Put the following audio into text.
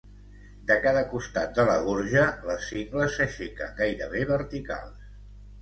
De cada costat de la Gorja, les cingles s'aixequen gairebé verticals.